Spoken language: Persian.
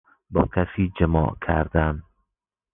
با کسی جماع کردن